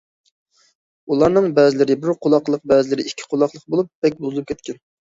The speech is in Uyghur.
ئۇلارنىڭ بەزىلىرى بىر قۇلاقلىق، بەزىلىرى ئىككى قۇلاقلىق بولۇپ، بەك بۇزۇلۇپ كەتكەن.